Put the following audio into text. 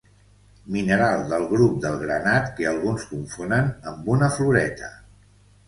Mineral del grup del granat que alguns confonen amb una floreta.